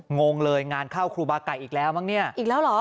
งงเลยงานเข้าครูบาไก่อีกแล้วมั้งเนี่ยอีกแล้วเหรอ